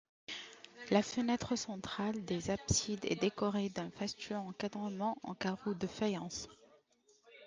La fenêtre centrale des absides est décorée d'un fastueux encadrement en carreaux de faïence.